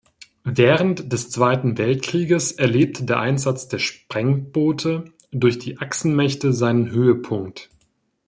Während des Zweiten Weltkrieges erlebte der Einsatz der Sprengboote durch die Achsenmächte seinen Höhepunkt.